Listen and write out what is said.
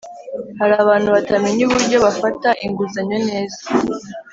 Harabantu batamenya uburyo bafata inguzanyo neza